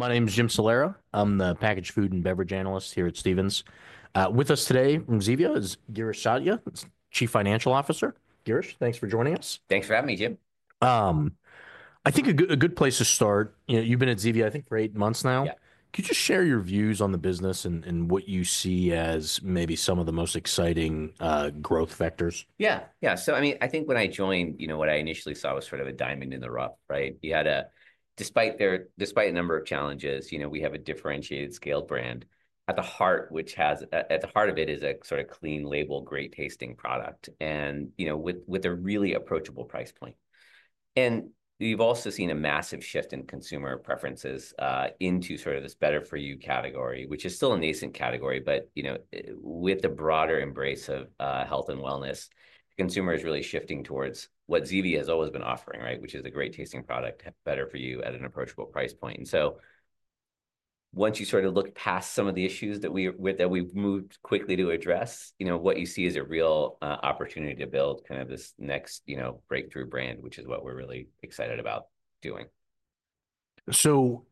My name is Jim Salera. I'm the Packaged Food and Beverage Analyst here at Stephens. With us today from Zevia is Girish Satya, Chief Financial Officer. Girish, thanks for joining us. Thanks for having me, Jim. I think a good place to start. You know, you've been at Zevia, I think, for eight months now. Yeah. Could you just share your views on the business and what you see as maybe some of the most exciting growth factors? Yeah. Yeah. So, I mean, I think when I joined, you know, what I initially saw was sort of a diamond in the rough, right? You had a, despite their, despite a number of challenges, you know, we have a differentiated scaled brand at the heart, which has, at the heart of it is a sort of clean label, great tasting product, and, you know, with, with a really approachable price point. And you've also seen a massive shift in consumer preferences, into sort of this better for you category, which is still a nascent category, but, you know, with the broader embrace of health and wellness, consumers really shifting towards what Zevia has always been offering, right? Which is a great tasting product, Better-for-you at an approachable price point. Once you sort of look past some of the issues that we've moved quickly to address, you know, what you see as a real opportunity to build kind of this next, you know, breakthrough brand, which is what we're really excited about doing. So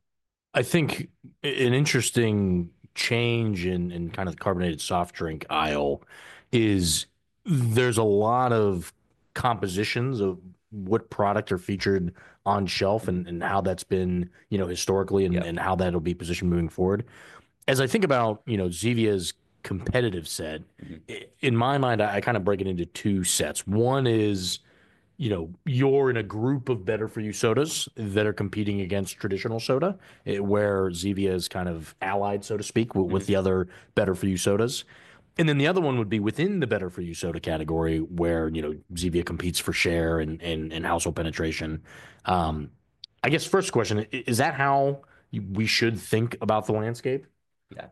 I think an interesting change in kind of the carbonated soft drink aisle is there's a lot of compositions of what product are featured on shelf and how that's been, you know, historically and how that'll be positioned moving forward. As I think about, you know, Zevia's competitive set, in my mind, I kind of break it into two sets. One is, you know, you're in a group of better for you sodas that are competing against traditional soda, where Zevia is kind of allied, so to speak, with the other Better-for-you sodas. And then the other one would be within the Better-for-you soda category where, you know, Zevia competes for share and household penetration. I guess first question, is that how we should think about the landscape? Yeah.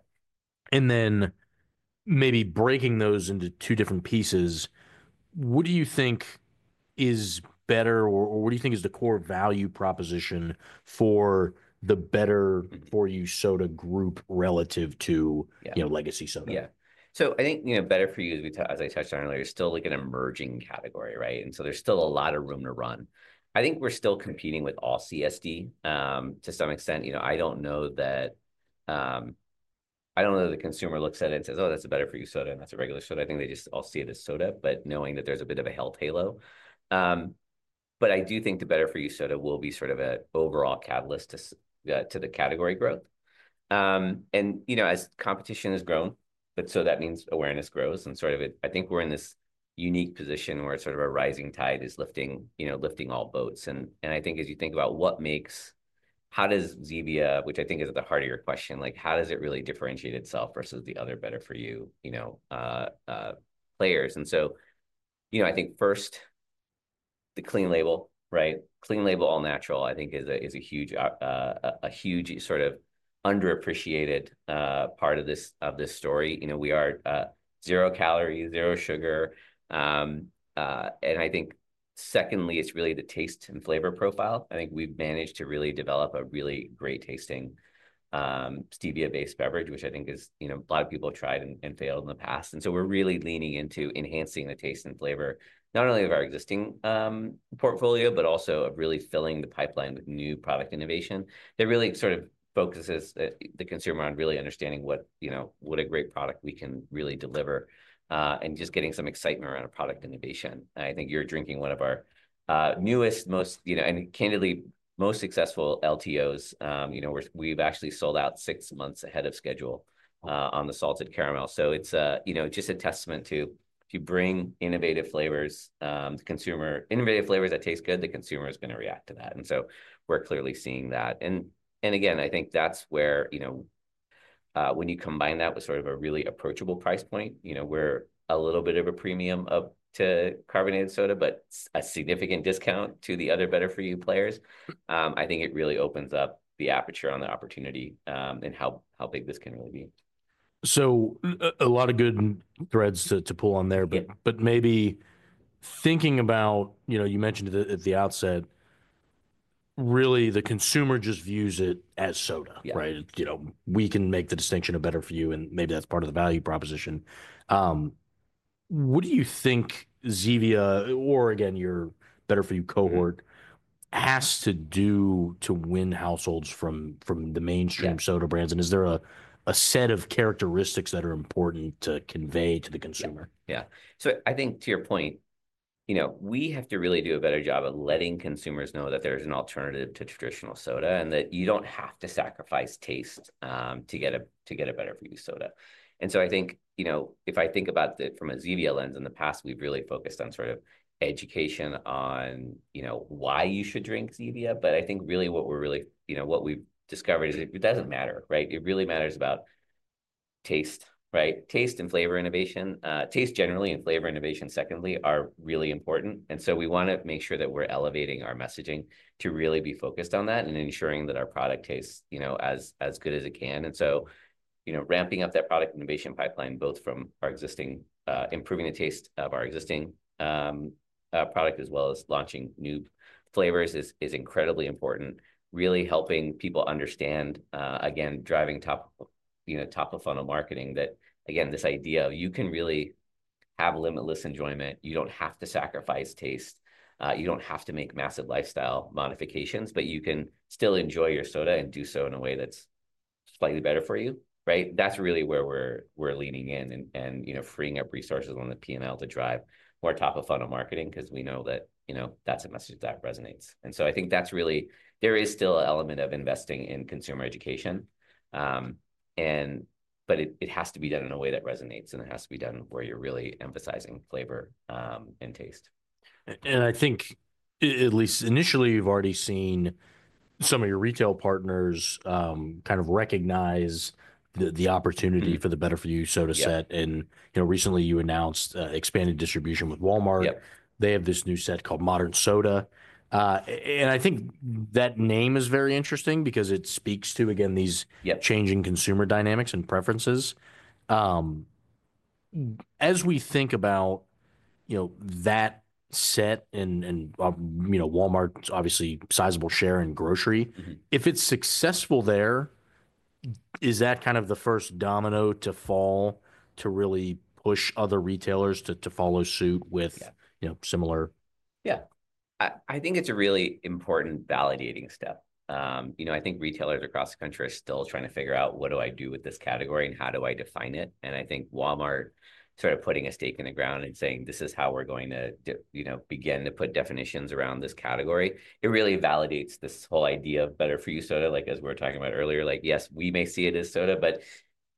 And then maybe breaking those into two different pieces, what do you think is better or what do you think is the core value proposition for the Better-for-you soda group relative to, you know, legacy soda? Yeah, so I think, you know, better for you is, as I touched on earlier, still like an emerging category, right, and so there's still a lot of room to run. I think we're still competing with all CSD, to some extent. You know, I don't know that the consumer looks at it and says, "Oh, that's a Better-for-you soda, and that's a regular soda." I think they just all see it as soda, but knowing that there's a bit of a halo effect. But I do think the better for you soda will be sort of an overall catalyst to the category growth. And, you know, as competition has grown, but so that means awareness grows and sort of it. I think we're in this unique position where sort of a rising tide is lifting, you know, lifting all boats. I think as you think about what makes Zevia, which I think is at the heart of your question, like how does it really differentiate itself versus the other better for you, you know, players? So, you know, I think first the clean label, right? Clean label all natural. I think is a huge sort of underappreciated part of this story. You know, we are zero calories, zero sugar. I think secondly, it's really the taste and flavor profile. I think we've managed to really develop a really great tasting, stevia-based beverage, which I think is, you know, a lot of people tried and, and failed in the past, and so we're really leaning into enhancing the taste and flavor, not only of our existing portfolio, but also of really filling the pipeline with new product innovation that really sort of focuses the consumer on really understanding what, you know, what a great product we can really deliver, and just getting some excitement around product innovation. I think you're drinking one of our newest, most, you know, and candidly most successful LTOs. You know, we're, we've actually sold out six months ahead of schedule, on the Salted Caramel, so it's a, you know, just a testament to, if you bring innovative flavors, the consumer, innovative flavors that taste good, the consumer is going to react to that. And so we're clearly seeing that. And again, I think that's where, you know, when you combine that with sort of a really approachable price point, you know, we're a little bit of a premium to carbonated soda, but a significant discount to the other better for you players. I think it really opens up the aperture on the opportunity, and how big this can really be. So a lot of good threads to pull on there, but maybe thinking about, you know, you mentioned at the outset, really the consumer just views it as soda, right? You know, we can make the distinction of Better-for-you, and maybe that's part of the value proposition. What do you think Zevia, or again, your better for you cohort has to do to win households from the mainstream soda brands? And is there a set of characteristics that are important to convey to the consumer? Yeah. So I think to your point, you know, we have to really do a better job of letting consumers know that there's an alternative to traditional soda and that you don't have to sacrifice taste to get a Better-for-you soda. I think, you know, if I think about the from a Zevia lens in the past, we've really focused on sort of education on, you know, why you should drink Zevia. But I think really what we're, you know, what we've discovered is it doesn't matter, right? It really matters about taste, right? Taste and flavor innovation, taste generally and flavor innovation secondly are really important. We want to make sure that we're elevating our messaging to really be focused on that and ensuring that our product tastes, you know, as good as it can. And so, you know, ramping up that product innovation pipeline, both improving the taste of our existing product as well as launching new flavors is incredibly important, really helping people understand, again, driving top, you know, top of funnel marketing that, again, this idea of you can really have limitless enjoyment. You don't have to sacrifice taste. You don't have to make massive lifestyle modifications, but you can still enjoy your soda and do so in a way that's slightly better for you, right? That's really where we're leaning in and, you know, freeing up resources on the P&L to drive more top of funnel marketing because we know that, you know, that's a message that resonates, and so I think that's really. There is still an element of investing in consumer education. It has to be done in a way that resonates and it has to be done where you're really emphasizing flavor and taste. I think at least initially you've already seen some of your retail partners kind of recognize the opportunity for the Better-for-you soda set. You know, recently you announced expanded distribution with Walmart. They have this new set called Modern Soda. I think that name is very interesting because it speaks to again these changing consumer dynamics and preferences. As we think about you know that set and you know Walmart's obviously sizable share in grocery, if it's successful there, is that kind of the first domino to fall to really push other retailers to follow suit with you know similar? Yeah. I think it's a really important validating step, you know. I think retailers across the country are still trying to figure out what do I do with this category and how do I define it, and I think Walmart sort of putting a stake in the ground and saying, this is how we're going to, you know, begin to put definitions around this category. It really validates this whole idea of better for you soda, like as we were talking about earlier, like, yes, we may see it as soda, but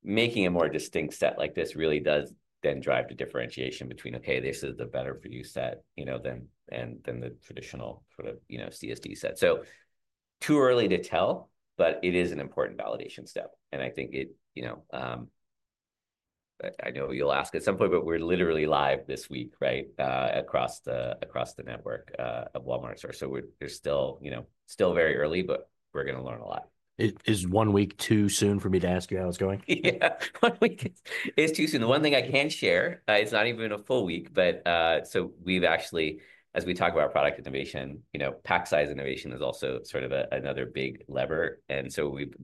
making a more distinct set like this really does then drive the differentiation between, okay, this is the better for you set, you know, than the traditional sort of, you know, CSD set, so too early to tell, but it is an important validation step. I think it, you know, I know you'll ask at some point, but we're literally live this week, right? Across the network of Walmart stores. So we're still, you know, very early, but we're going to learn a lot. It is one week too soon for me to ask you how it's going? Yeah. One week is too soon. The one thing I can share, it's not even a full week, but, so we've actually, as we talk about product innovation, you know, pack size innovation is also sort of another big lever. And so we've,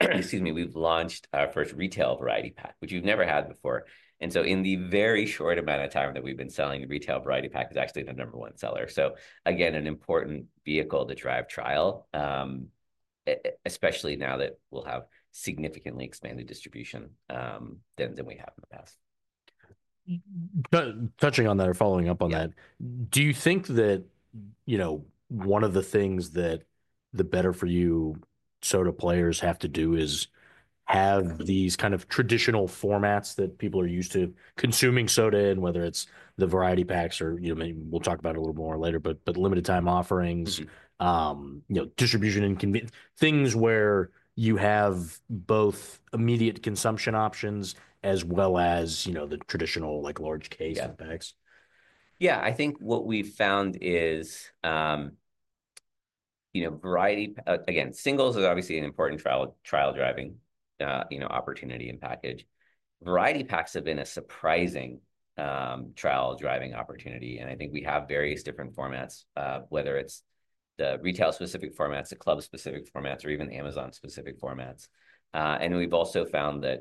excuse me, we've launched our first retail variety pack, which we've never had before. And so in the very short amount of time that we've been selling, the retail variety pack is actually the number one seller. So again, an important vehicle to drive trial, especially now that we'll have significantly expanded distribution, than we have in the past. Touching on that or following up on that, do you think that, you know, one of the things that the Better-for-you soda players have to do is have these kind of traditional formats that people are used to consuming soda in, whether it's the variety packs or, you know, maybe we'll talk about it a little more later, but limited time offerings, you know, distribution and convenience, things where you have both immediate consumption options as well as, you know, the traditional, like large case and packs? Yeah. Yeah. I think what we've found is, you know, variety. Again, singles is obviously an important trial-driving, you know, opportunity and package. Variety packs have been a surprising, trial-driving opportunity. And I think we have various different formats, whether it's the retail-specific formats, the club-specific formats, or even Amazon-specific formats, and we've also found that,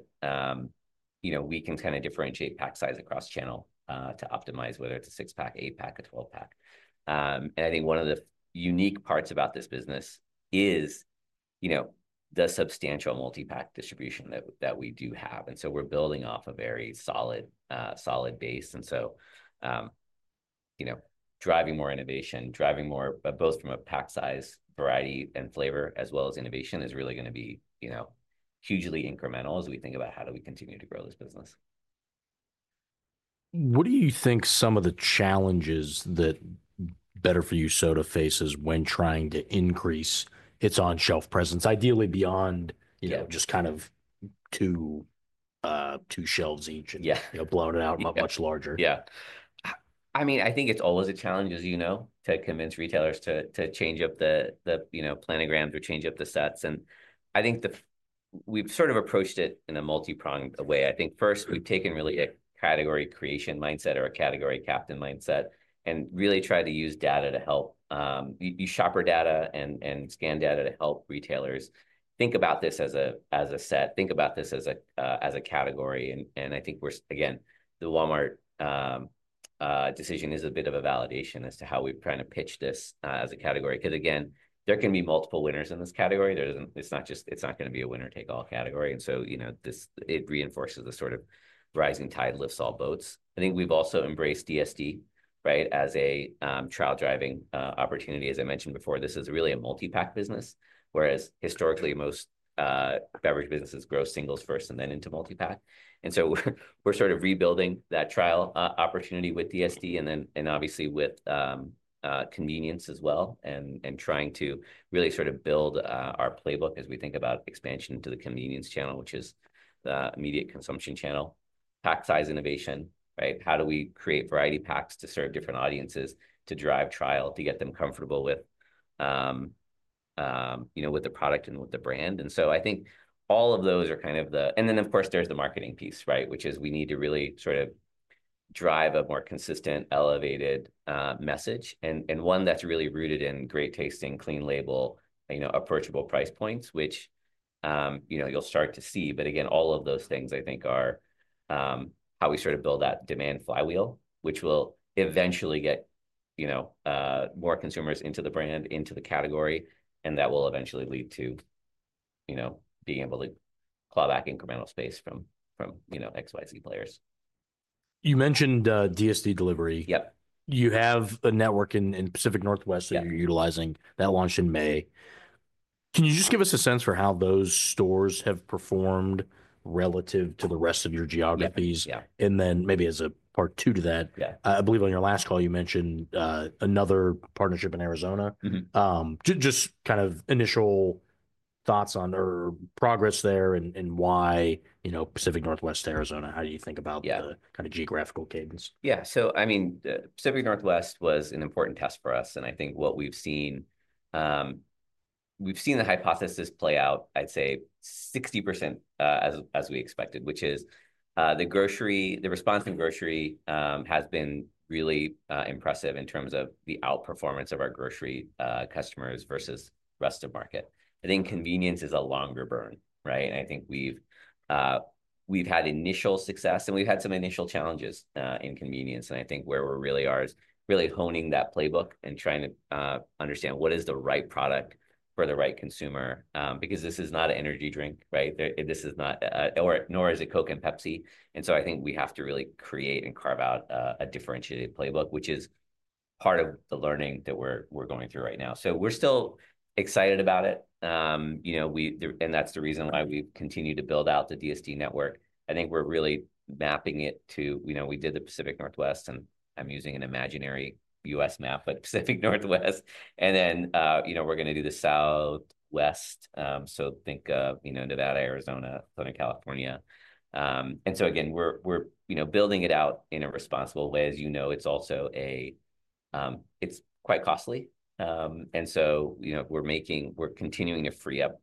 you know, we can kind of differentiate pack size across channel, to optimize whether it's a six pack, eight pack, a 12 pack, and I think one of the unique parts about this business is, you know, the substantial multi-pack distribution that we do have. And so we're building off a very solid base. And so, you know, driving more innovation, driving more, but both from a pack size, variety and flavor, as well as innovation is really going to be, you know, hugely incremental as we think about how do we continue to grow this business. What do you think some of the challenges that Better-for-you soda faces when trying to increase its on shelf presence, ideally beyond, you know, just kind of two, two shelves each and, you know, blowing it out much larger? Yeah. I mean, I think it's always a challenge, as you know, to convince retailers to change up the planograms, you know, or change up the sets. And I think we've sort of approached it in a multi-pronged way. I think first we've taken really a category creation mindset or a category captain mindset and really tried to use data to help your shopper data and scan data to help retailers think about this as a set, think about this as a category. And I think we're again. The Walmart decision is a bit of a validation as to how we've kind of pitched this as a category. Because again, there can be multiple winners in this category. There isn't. It's not just. It's not going to be a winner take all category. And so, you know, this, it reinforces the sort of rising tide lifts all boats. I think we've also embraced DSD, right, as a trial driving opportunity. As I mentioned before, this is really a multi-pack business, whereas historically most beverage businesses grow singles first and then into multi-pack. And so we're, we're sort of rebuilding that trial opportunity with DSD and then, and obviously with convenience as well and, and trying to really sort of build our playbook as we think about expansion into the convenience channel, which is the immediate consumption channel, pack size innovation, right? How do we create variety packs to serve different audiences, to drive trial, to get them comfortable with, you know, with the product and with the brand. And so I think all of those are kind of the, and then of course there's the marketing piece, right? Which is we need to really sort of drive a more consistent, elevated, message and, and one that's really rooted in great tasting, clean label, you know, approachable price points, which, you know, you'll start to see. But again, all of those things I think are, how we sort of build that demand flywheel, which will eventually get, you know, more consumers into the brand, into the category, and that will eventually lead to, you know, being able to claw back incremental space from, you know, XYZ players. You mentioned DSD delivery. Yep. You have a network in Pacific Northwest that you're utilizing that launched in May. Can you just give us a sense for how those stores have performed relative to the rest of your geographies? And then maybe as a part two to that, I believe on your last call, you mentioned another partnership in Arizona. Just kind of initial thoughts on or progress there and why, you know, Pacific Northwest, Arizona, how do you think about the kind of geographical cadence? Yeah. So I mean, Pacific Northwest was an important test for us. And I think what we've seen, the hypothesis has played out, I'd say 60%, as we expected, which is the response in grocery has been really impressive in terms of the outperformance of our grocery customers versus rest of market. I think convenience is a longer burn, right? And I think we've had initial success and we've had some initial challenges in convenience. And I think where we really are is honing that playbook and trying to understand what is the right product for the right consumer, because this is not an energy drink, right? This is not, nor is it Coke and Pepsi. And so I think we have to really create and carve out a differentiated playbook, which is part of the learning that we're going through right now. So we're still excited about it, you know. And that's the reason why we've continued to build out the DSD network. I think we're really mapping it to, you know, we did the Pacific Northwest and I'm using an imaginary U.S. map, but Pacific Northwest. And then, you know, we're going to do the Southwest, so think, you know, Nevada, Arizona, Southern California. And so again, we're, you know, building it out in a responsible way. As you know, it's also quite costly. And so, you know, we're continuing to free up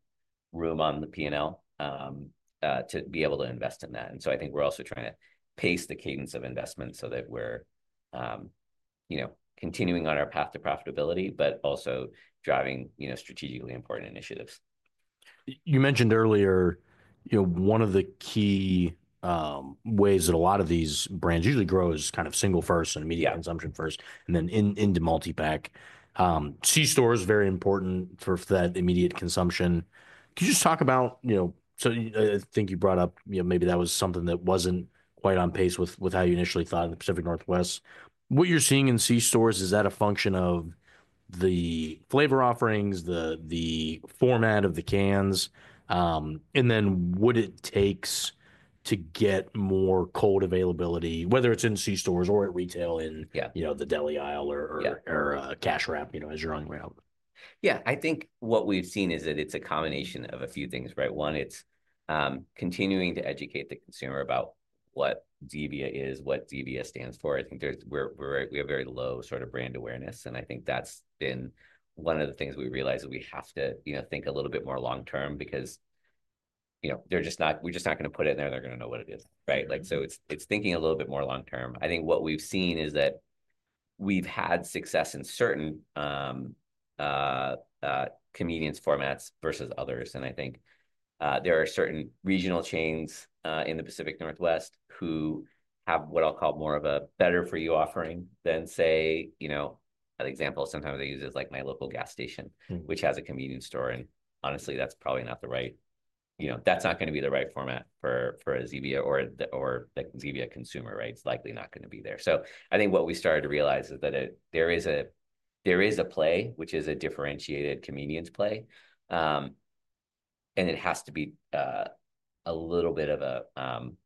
room on the P&L, to be able to invest in that. And so I think we're also trying to pace the cadence of investment so that we're, you know, continuing on our path to profitability, but also driving, you know, strategically important initiatives. You mentioned earlier, you know, one of the key ways that a lot of these brands usually grow is kind of single first and immediate consumption first and then into multi-pack. C-store is very important for that immediate consumption. Could you just talk about, you know, so I think you brought up, you know, maybe that was something that wasn't quite on pace with how you initially thought in the Pacific Northwest. What you're seeing in C-stores, is that a function of the flavor offerings, the format of the cans? And then what it takes to get more cold availability, whether it's in C-stores or at retail in, you know, the deli aisle or a cash wrap, you know, as you're on your way out. Yeah. I think what we've seen is that it's a combination of a few things, right? One, it's continuing to educate the consumer about what Zevia is, what Zevia stands for. I think we have very low sort of brand awareness. And I think that's been one of the things we realized that we have to, you know, think a little bit more long term because, you know, they're just not going to put it in there. They're going to know what it is, right? Like, so it's thinking a little bit more long term. I think what we've seen is that we've had success in certain convenience formats versus others. And I think, there are certain regional chains, in the Pacific Northwest who have what I'll call more of a Better-for-you offering than say, you know, an example, sometimes they use it like my local gas station, which has a convenience store. And honestly, that's probably not the right, you know, that's not going to be the right format for a Zevia or the Zevia consumer, right? It's likely not going to be there. So I think what we started to realize is that there is a play, which is a differentiated convenience play. And it has to be a little bit of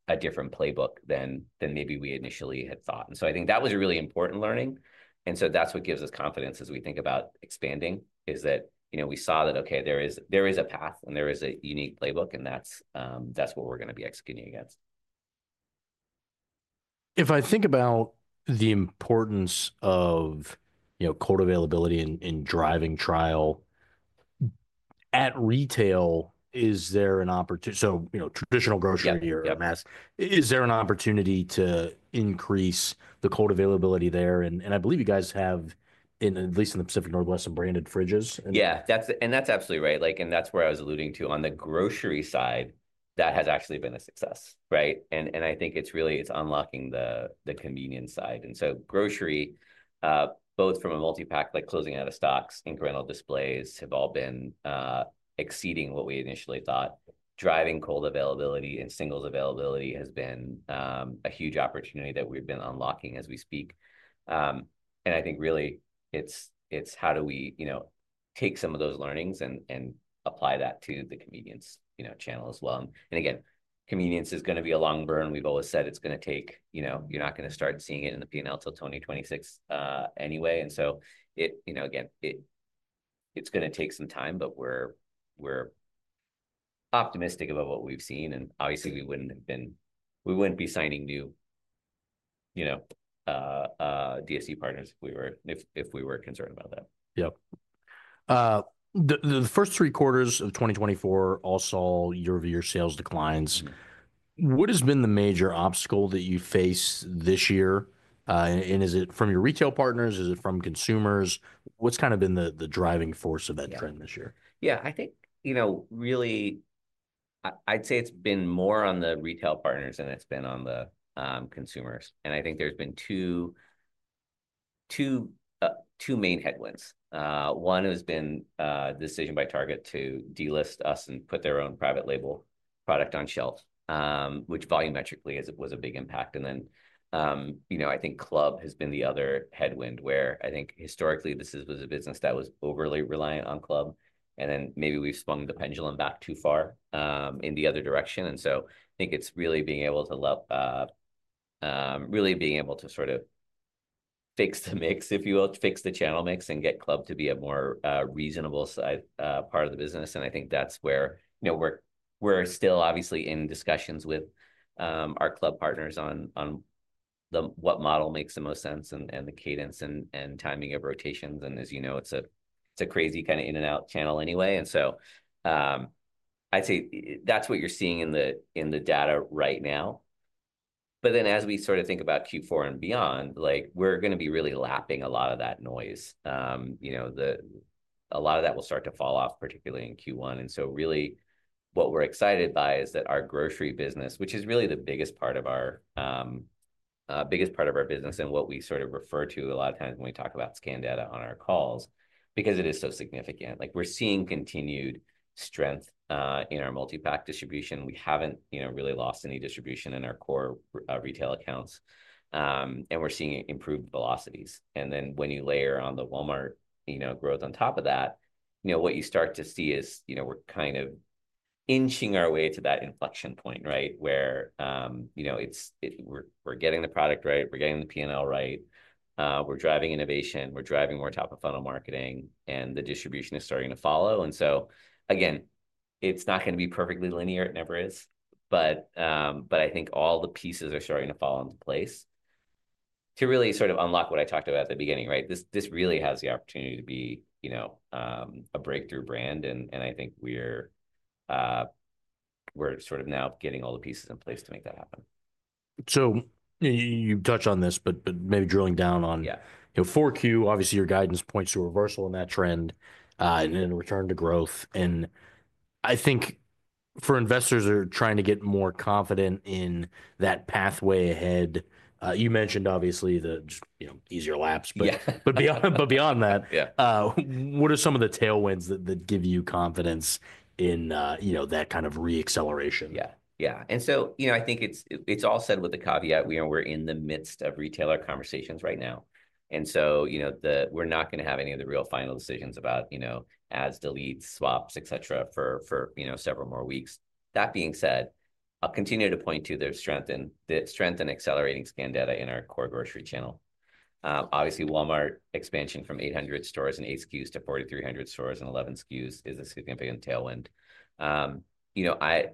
a different playbook than maybe we initially had thought. And so I think that was a really important learning. That's what gives us confidence as we think about expanding: that, you know, we saw that. Okay, there is a path and there is a unique playbook, and that's what we're going to be executing against. If I think about the importance of, you know, cold availability in driving trial at retail, is there an opportunity? So, you know, traditional grocery or a mass, is there an opportunity to increase the cold availability there? And I believe you guys have, in at least the Pacific Northwest, some branded fridges. Yeah, that's, and that's absolutely right. Like, and that's where I was alluding to on the grocery side that has actually been a success, right? And, and I think it's really, it's unlocking the, the convenience side. And so grocery, both from a multi-pack, like closing out of stocks, incremental displays have all been, exceeding what we initially thought. Driving cold availability and singles availability has been, a huge opportunity that we've been unlocking as we speak. And I think really it's, it's how do we, you know, take some of those learnings and, and apply that to the convenience, you know, channel as well. And, and again, convenience is going to be a long burn. We've always said it's going to take, you know, you're not going to start seeing it in the P&L till 2026, anyway. And so, you know, it's going to take some time, but we're optimistic about what we've seen. And obviously we wouldn't be signing new, you know, DSD partners if we were concerned about that. Yep, the first three quarters of 2024 all saw year-over-year sales declines. What has been the major obstacle that you face this year, and is it from your retail partners? Is it from consumers? What's kind of been the driving force of that trend this year? Yeah, I think, you know, really, I'd say it's been more on the retail partners than it's been on the consumers. And I think there's been two main headwinds. One has been the decision by Target to delist us and put their own private label product on shelf, which volumetrically has been a big impact, then you know, I think Club has been the other headwind where I think historically this was a business that was overly reliant on Club, and then maybe we've swung the pendulum back too far in the other direction, so I think it's really being able to leverage, really being able to sort of fix the mix, if you will, fix the channel mix and get Club to be a more reasonable sized part of the business. And I think that's where, you know, we're still obviously in discussions with our Club partners on what model makes the most sense and the cadence and timing of rotations. And as you know, it's a crazy kind of in and out channel anyway. And so, I'd say that's what you're seeing in the data right now. But then as we sort of think about Q4 and beyond, like we're going to be really lapping a lot of that noise, you know, a lot of that will start to fall off, particularly in Q1. And so really what we're excited by is that our grocery business, which is really the biggest part of our business and what we sort of refer to a lot of times when we talk about scan data on our calls because it is so significant. Like we're seeing continued strength in our multi-pack distribution. We haven't, you know, really lost any distribution in our core retail accounts, and we're seeing improved velocities, and then when you layer on the Walmart, you know, growth on top of that, you know, what you start to see is, you know, we're kind of inching our way to that inflection point, right? Where, you know, it's, we're getting the product right. We're getting the P&L right. We're driving innovation. We're driving more top of funnel marketing and the distribution is starting to follow. And so again, it's not going to be perfectly linear. It never is. But I think all the pieces are starting to fall into place to really sort of unlock what I talked about at the beginning, right? This really has the opportunity to be, you know, a breakthrough brand. And I think we're sort of now getting all the pieces in place to make that happen. So you touch on this, but maybe drilling down on, you know, 4Q, obviously your guidance points to a reversal in that trend, and then return to growth. And I think for investors who are trying to get more confident in that pathway ahead, you mentioned obviously the, you know, easier [comps], but beyond that, what are some of the tailwinds that give you confidence in, you know, that kind of re-acceleration? Yeah. Yeah. And so, you know, I think it's all said with the caveat, you know, we're in the midst of retailer conversations right now. And so, you know, we're not going to have any of the real final decisions about, you know, ads, deletes, swaps, et cetera for, you know, several more weeks. That being said, I'll continue to point to their strength and the strength and accelerating scan data in our core grocery channel. Obviously Walmart expansion from 800 stores in eight SKUs to 4,300 stores in 11 SKUs is a significant tailwind. You know, I,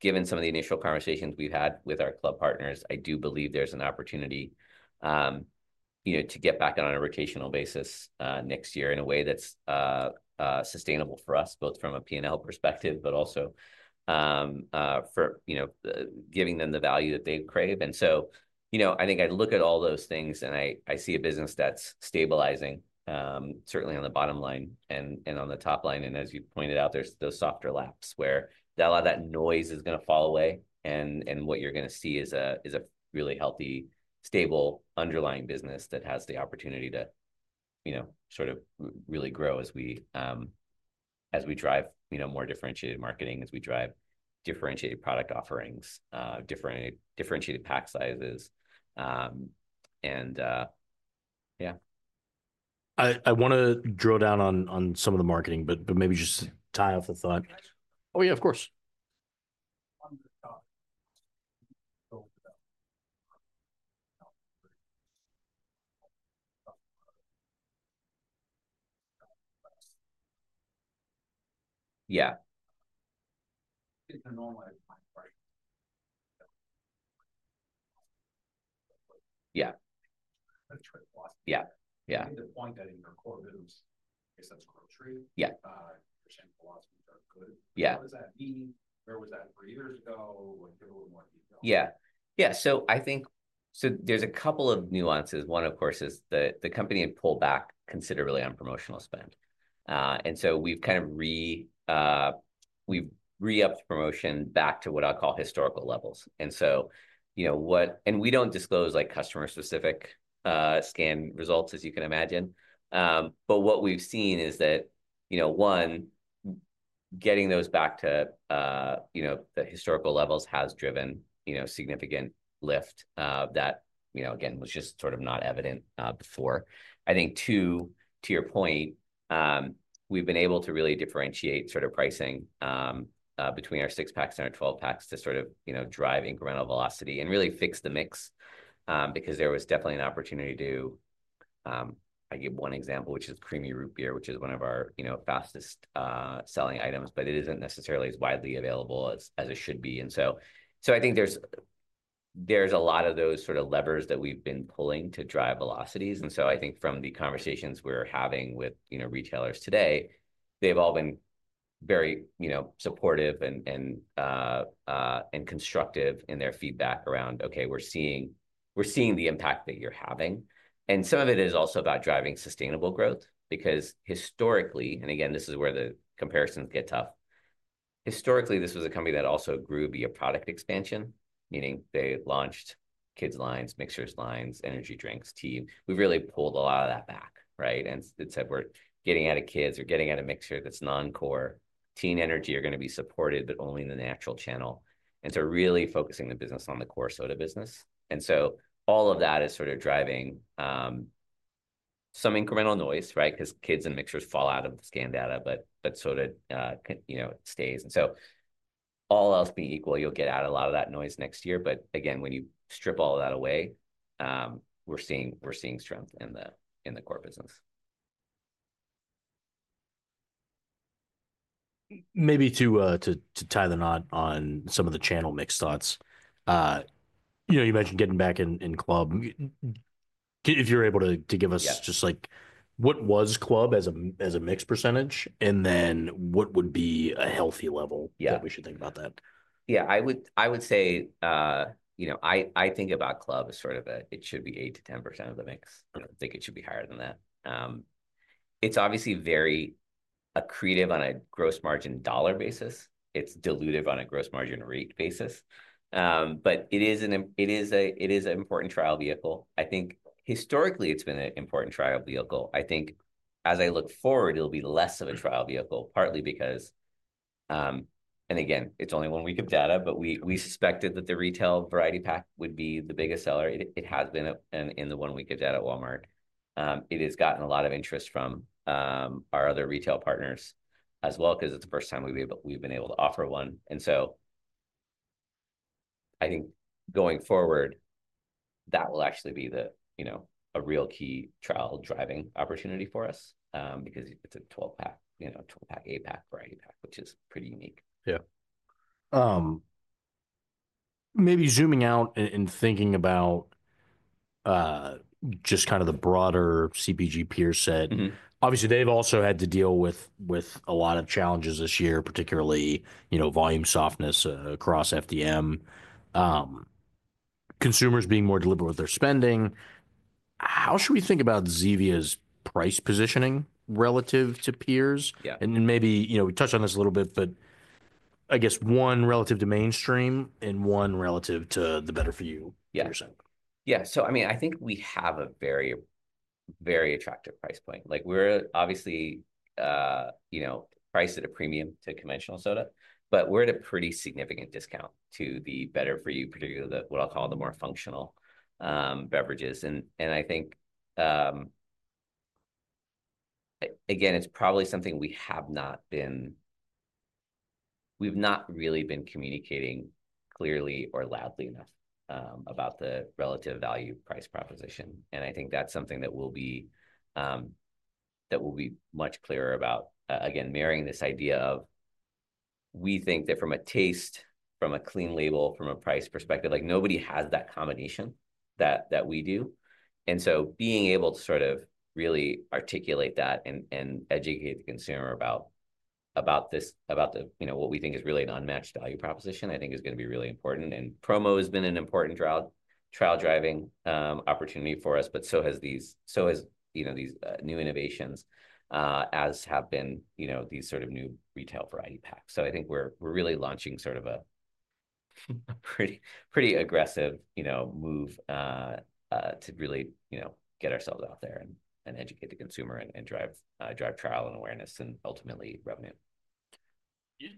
given some of the initial conversations we've had with our Club partners, I do believe there's an opportunity, you know, to get back on a rotational basis next year in a way that's sustainable for us, both from a P&L perspective, but also for, you know, giving them the value that they crave. And so, you know, I think I look at all those things and I see a business that's stabilizing, certainly on the bottom line and on the top line. And as you pointed out, there's those softer comps where that's a lot of that noise is going to fall away and what you're going to see is a really healthy, stable underlying business that has the opportunity to, you know, sort of really grow as we, as we drive, you know, more differentiated marketing, as we drive differentiated product offerings, differentiated pack sizes, and yeah. I want to drill down on some of the marketing, but maybe just tie off the thought. Oh yeah, of course. I think the point that in your core business, I guess that's grocery, your same philosophy is very good. What does that mean? Where was that three years ago? Like give a little more detail, so I think there's a couple of nuances. One, of course, is the company had pulled back considerably on promotional spend, and so we've kind of re-upped promotion back to what I'll call historical levels, and so, you know, and we don't disclose like customer-specific scan results as you can imagine, but what we've seen is that, you know, one, getting those back to, you know, the historical levels has driven, you know, significant lift, that, you know, again, was just sort of not evident before. I think, too, to your point, we've been able to really differentiate sort of pricing between our six packs and our 12 packs to sort of, you know, drive incremental velocity and really fix the mix, because there was definitely an opportunity to. I give one example, which is Creamy Root Beer, which is one of our, you know, fastest-selling items, but it isn't necessarily as widely available as it should be. And so I think there's a lot of those sort of levers that we've been pulling to drive velocities. And so I think from the conversations we're having with, you know, retailers today, they've all been very, you know, supportive and constructive in their feedback around, okay, we're seeing the impact that you're having. Some of it is also about driving sustainable growth because historically, and again, this is where the comparisons get tough. Historically, this was a company that also grew via product expansion, meaning they launched kids' lines, Mixers lines, energy drinks, tea. We've really pulled a lot of that back, right? As we said, we're getting out of kids or getting out of mixers that's non-core. Teen energy is going to be supported, but only in the natural channel. Really focusing the business on the core soda business. All of that is sort of driving some incremental noise, right? Because kids and mixers fall out of the scan data, but soda, you know, stays. All else being equal, you'll get out a lot of that noise next year. But again, when you strip all of that away, we're seeing strength in the core business. Maybe to tie the knot on some of the channel mix thoughts. You know, you mentioned getting back in Club. If you're able to give us just like what was Club as a mix percentage and then what would be a healthy level that we should think about that? Yeah, I would say, you know, I think about Club as sort of a, it should be eight to 10% of the mix. I think it should be higher than that. It's obviously very accretive on a gross margin dollar basis. It's dilutive on a gross margin rate basis. But it is an important trial vehicle. I think historically it's been an important trial vehicle. I think as I look forward, it'll be less of a trial vehicle partly because, and again, it's only one week of data, but we suspected that the retail variety pack would be the biggest seller. It has been in the one week of data at Walmart. It has gotten a lot of interest from our other retail partners as well because it's the first time we've been able to offer one. And so I think going forward, that will actually be the, you know, a real key trial driving opportunity for us, because it's a 12 pack, you know, 12 pack, eight pack, variety pack, which is pretty unique. Yeah, maybe zooming out and thinking about just kind of the broader CBG peer set. Obviously they've also had to deal with a lot of challenges this year, particularly, you know, volume softness across FDM, consumers being more deliberate with their spending. How should we think about Zevia's price positioning relative to peers? And then maybe, you know, we touched on this a little bit, but I guess one relative to mainstream and one relative to the better for you. Yeah. Yeah. So I mean, I think we have a very, very attractive price point. Like we're obviously, you know, priced at a premium to conventional soda, but we're at a pretty significant discount to the better for you, particularly the, what I'll call the more functional, beverages. And I think, again, it's probably something we've not really been communicating clearly or loudly enough, about the relative value price proposition. And I think that's something that will be much clearer about, again, marrying this idea of we think that from a taste, from a clean label, from a price perspective, like nobody has that combination that we do. And so being able to sort of really articulate that and educate the consumer about this, about the, you know, what we think is really an unmatched value proposition, I think is going to be really important. And promo has been an important trial driving opportunity for us, but so has these, you know, these new innovations, as have been, you know, these sort of new retail variety packs. So I think we're really launching sort of a pretty aggressive, you know, move, to really, you know, get ourselves out there and educate the consumer and drive trial and awareness and ultimately revenue.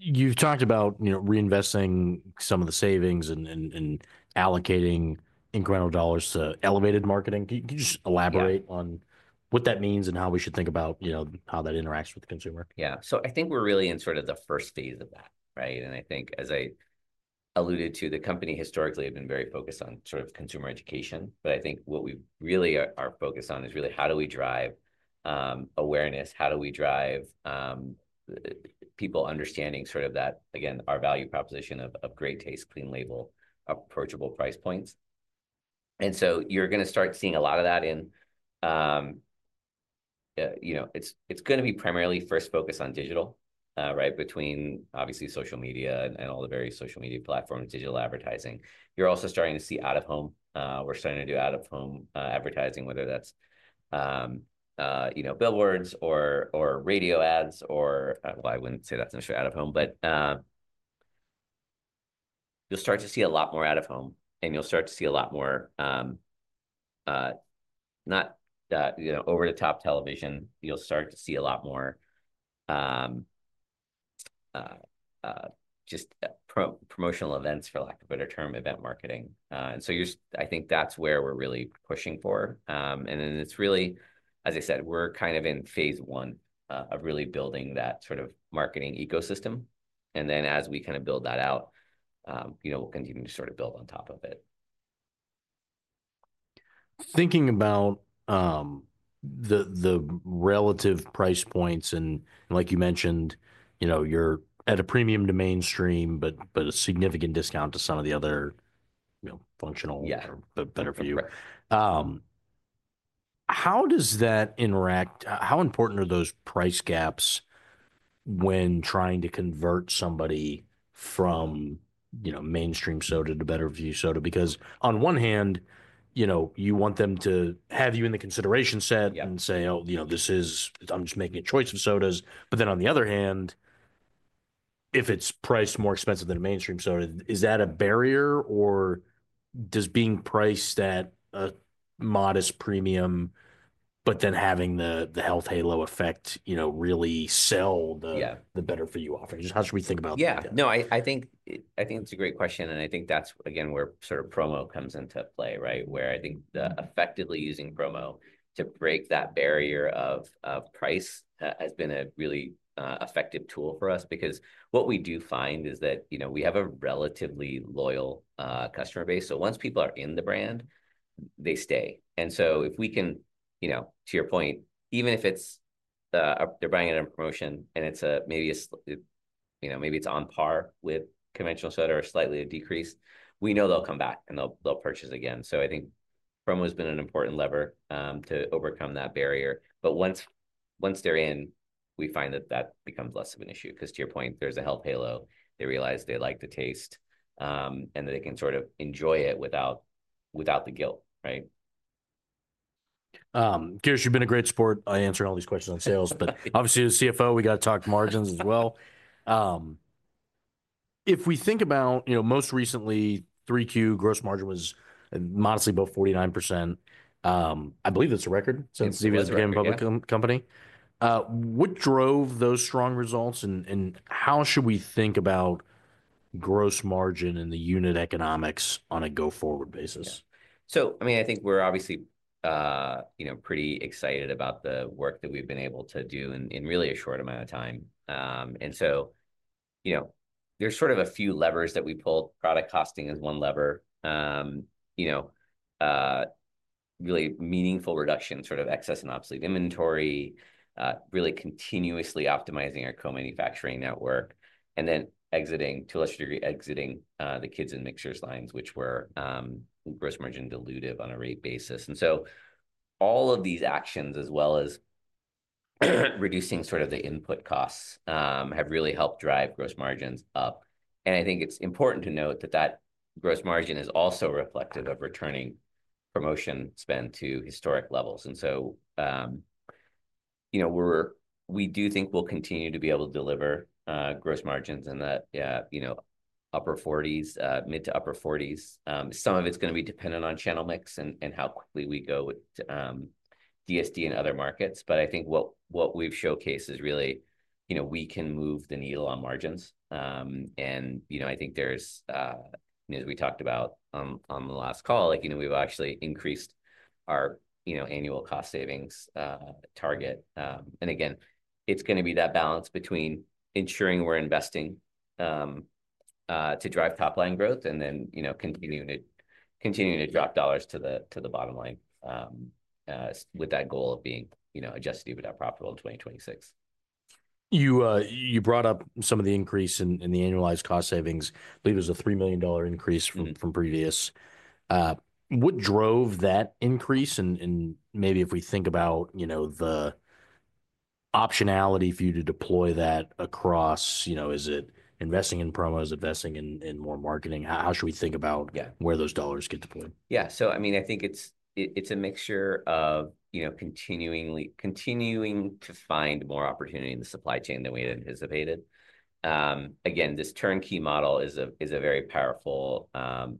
You've talked about, you know, reinvesting some of the savings and allocating incremental dollars to elevated marketing. Can you just elaborate on what that means and how we should think about, you know, how that interacts with the consumer? Yeah. So I think we're really in sort of the first phase of that, right? And I think as I alluded to, the company historically had been very focused on sort of consumer education, but I think what we really are focused on is really how do we drive awareness? How do we drive people understanding sort of that, again, our value proposition of great taste, clean label, approachable price points? And so you're going to start seeing a lot of that in, you know, it's going to be primarily first focus on digital, right? Between obviously social media and all the various social media platforms, digital advertising. You're also starting to see out of home. We're starting to do out of home advertising, whether that's, you know, billboards or radio ads or, well, I wouldn't say that's an issue out of home, but you'll start to see a lot more out of home and you'll start to see a lot more, not that, you know, over the top television. You'll start to see a lot more just promotional events, for lack of a better term, event marketing, and so you're. I think that's where we're really pushing for, and then it's really, as I said, we're kind of in phase one of really building that sort of marketing ecosystem. And then as we kind of build that out, you know, we'll continue to sort of build on top of it. Thinking about the relative price points and like you mentioned, you know, you're at a premium to mainstream, but a significant discount to some of the other, you know, functional or Better-for-you. How does that interact? How important are those price gaps when trying to convert somebody from, you know, Mainstream soda to Better-for-you soda? Because on one hand, you know, you want them to have you in the consideration set and say, oh, you know, this is, I'm just making a choice of sodas. But then on the other hand, if it's priced more expensive than Mainstream soda, is that a barrier or does being priced at a modest premium, but then having the health halo effect, you know, really sell the better-for-you offering? Just how should we think about that? Yeah. No, I think it's a great question. And I think that's again, where sort of promo comes into play, right? Where I think the effectively using promo to break that barrier of price has been a really effective tool for us because what we do find is that, you know, we have a relatively loyal customer base. So once people are in the brand, they stay. And so if we can, you know, to your point, even if it's, they're buying it in a promotion and it's maybe a, you know, maybe it's on par with conventional soda or slightly a decrease, we know they'll come back and they'll purchase again. So I think promo has been an important lever to overcome that barrier. But once they're in, we find that that becomes less of an issue. Because to your point, there's a health halo. They realize they like to taste, and that they can sort of enjoy it without the guilt, right? Girish, you've been a great support on answering all these questions on sales, but obviously as CFO, we got to talk margins as well. If we think about, you know, most recently, Q3 gross margin was modestly below 49%. I believe that's a record since Zevia became a public company. What drove those strong results and, and how should we think about gross margin and the unit economics on a go forward basis? So, I mean, I think we're obviously, you know, pretty excited about the work that we've been able to do in really a short amount of time. And so, you know, there's sort of a few levers that we pulled. Product costing is one lever. You know, really meaningful reduction, sort of excess and obsolete inventory, really continuously optimizing our co-manufacturing network and then exiting to a lesser degree the kids and mixers lines, which were gross margin dilutive on a rate basis. And so all of these actions, as well as reducing sort of the input costs, have really helped drive gross margins up. And I think it's important to note that that gross margin is also reflective of returning promotion spend to historic levels. And so, you know, we do think we'll continue to be able to deliver gross margins in that upper 40s, mid- to upper 40s. Some of it's going to be dependent on channel mix and how quickly we go with DSD and other markets. But I think what we've showcased is really, you know, we can move the needle on margins. And, you know, I think there's, you know, as we talked about on the last call, like, you know, we've actually increased our annual cost savings target. And again, it's going to be that balance between ensuring we're investing to drive top line growth and then, you know, continuing to drop dollars to the bottom line, with that goal of being, you know, adjusted to be profitable in 2026. You brought up some of the increase in the annualized cost savings. I believe it was a $3 million increase from previous. What drove that increase? And maybe if we think about, you know, the optionality for you to deploy that across, you know, is it investing in promos, investing in more marketing? How should we think about where those dollars get deployed? Yeah. So, I mean, I think it's a mixture of, you know, continuing to find more opportunity in the supply chain than we had anticipated. Again, this turnkey model is a very powerful,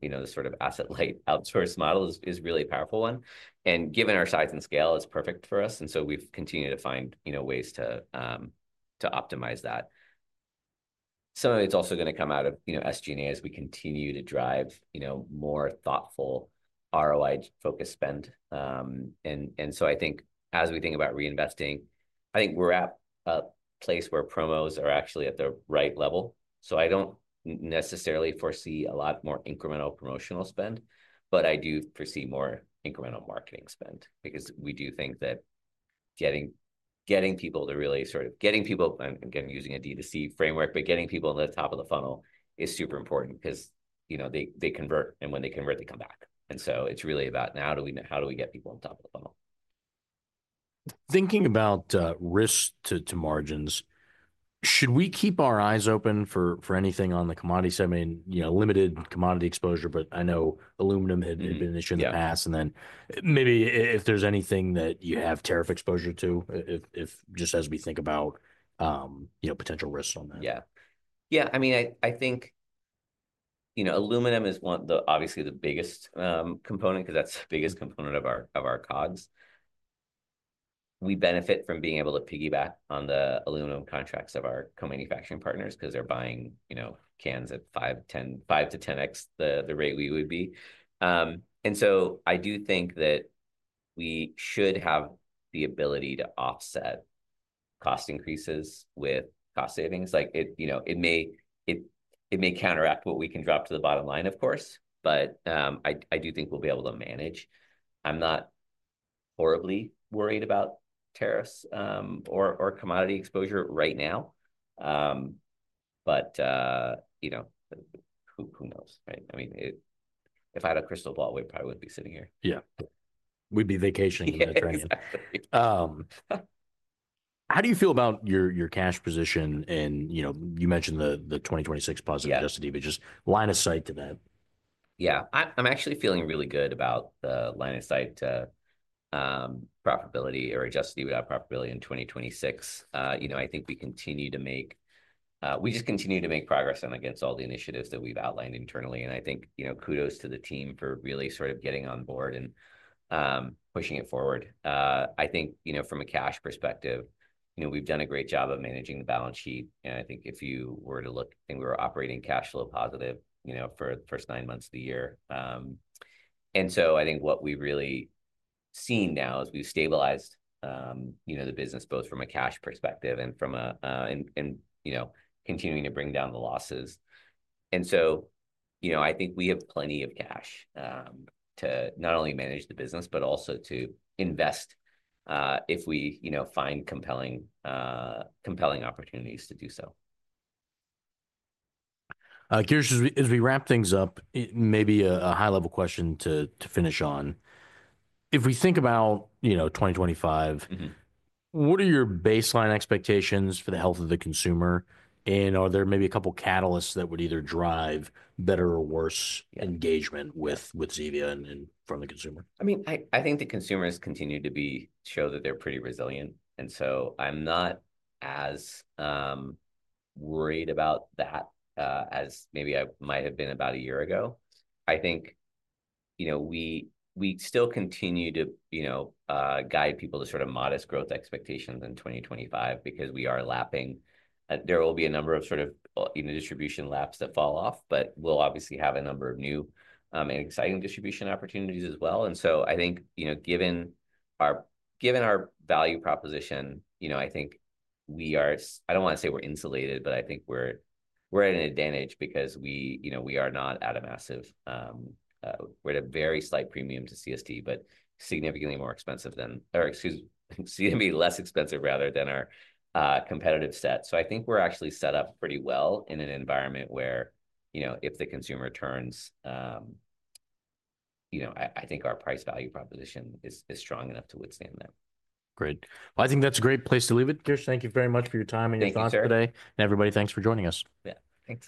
you know, the sort of asset-light outsource model is really a powerful one. And given our size and scale, it's perfect for us. And so we've continued to find, you know, ways to optimize that. Some of it's also going to come out of, you know, SG&A as we continue to drive, you know, more thoughtful ROI-focused spend. And so I think as we think about reinvesting, I think we're at a place where promos are actually at the right level. So, I don't necessarily foresee a lot more incremental promotional spend, but I do foresee more incremental marketing spend because we do think that getting people to really sort of getting people and again, using a DTC framework, but getting people on the top of the funnel is super important because, you know, they convert and when they convert, they come back. And so it's really about now, how do we get people on top of the funnel? Thinking about risk to margins, should we keep our eyes open for anything on the commodity segment, you know, limited commodity exposure, but I know aluminum had been an issue in the past. And then maybe if there's anything that you have tariff exposure to, just as we think about, you know, potential risks on that. Yeah. Yeah. I mean, I think, you know, aluminum is one of the obviously the biggest component because that's the biggest component of our COGS. We benefit from being able to piggyback on the aluminum contracts of our co-manufacturing partners because they're buying, you know, cans at five to ten X the rate we would be. And so I do think that we should have the ability to offset cost increases with cost savings. Like, you know, it may counteract what we can drop to the bottom line, of course. But I do think we'll be able to manage. I'm not horribly worried about tariffs or commodity exposure right now. But you know, who knows, right? I mean, if I had a crystal ball, we probably wouldn't be sitting here. Yeah. We'd be vacationing in the train. How do you feel about your cash position and, you know, you mentioned the 2026 positive adjusted EBITDA, just line of sight to that? Yeah. I'm actually feeling really good about the line of sight to profitability or Adjusted EBITDA profitability in 2026. You know, I think we just continue to make progress against all the initiatives that we've outlined internally, and I think, you know, kudos to the team for really sort of getting on board and pushing it forward. I think, you know, from a cash perspective, you know, we've done a great job of managing the balance sheet, and I think if you were to look, we were operating cash flow positive, you know, for the first nine months of the year, and so I think what we've really seen now is we've stabilized, you know, the business both from a cash perspective and from a, you know, continuing to bring down the losses. So, you know, I think we have plenty of cash to not only manage the business, but also to invest if we, you know, find compelling opportunities to do so. Girish, as we wrap things up, maybe a high level question to finish on. If we think about, you know, 2025, what are your baseline expectations for the health of the consumer? And are there maybe a couple of catalysts that would either drive better or worse engagement with Zevia and from the consumer? I mean, I think the consumers continue to be, show that they're pretty resilient. And so I'm not as, worried about that, as maybe I might have been about a year ago. I think, you know, we still continue to, you know, guide people to sort of modest growth expectations in 2025 because we are lapping. There will be a number of sort of, you know, distribution laps that fall off, but we'll obviously have a number of new, and exciting distribution opportunities as well. And so I think, you know, given our value proposition, you know, I think we are. I don't want to say we're insulated, but I think we're at an advantage because, you know, we are not at a massive premium. We're at a very slight premium to CSD, but significantly less expensive rather than our competitive set. So I think we're actually set up pretty well in an environment where, you know, if the consumer turns, you know, I think our price value proposition is strong enough to withstand that. Great. Well, I think that's a great place to leave it, Girish. Thank you very much for your time and your thoughts today. And everybody, thanks for joining us. Yeah. Thanks.